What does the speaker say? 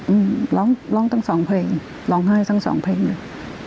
อืมร้องร้องทั้งสองเพลงร้องไห้ทั้งสองเพลงเลย